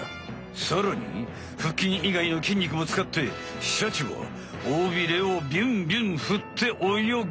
さらに腹筋いがいのきんにくも使ってシャチは尾ビレをビュンビュンふっておよぐ。